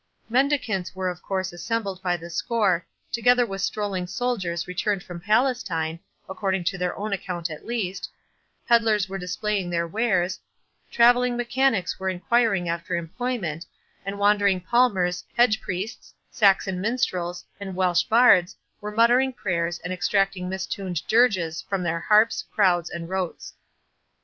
Mendicants were of course assembled by the score, together with strolling soldiers returned from Palestine, (according to their own account at least,) pedlars were displaying their wares, travelling mechanics were enquiring after employment, and wandering palmers, hedge priests, Saxon minstrels, and Welsh bards, were muttering prayers, and extracting mistuned dirges from their harps, crowds, and rotes.